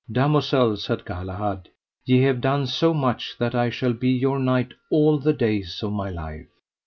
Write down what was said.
Damosel, said Galahad, ye have done so much that I shall be your knight all the days of my life.